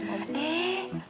eh udah jujur